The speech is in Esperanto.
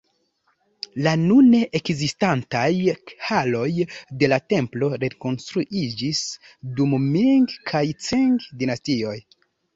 La nune ekzistantaj haloj de la templo rekonstruiĝis dum Ming- kaj Ĉing-dinastioj.